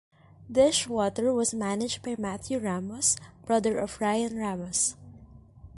Dishwater was managed by Matthew Ramos, brother of Ryan Ramos.